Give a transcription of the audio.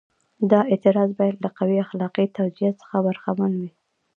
دا اعتراض باید له قوي اخلاقي توجیه څخه برخمن وي.